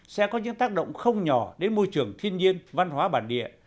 sẽ có những tác động không nhỏ đến môi trường thiên nhiên văn hóa bản địa